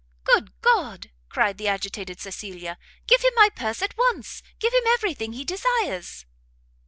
"Good God!" cried the agitated Cecilia, "give him my purse at once! give him every thing he desires!"